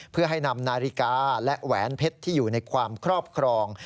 เพื่อให้นำนาฬิกาและแหวนเพชรที่อยู่ในความครอบครอง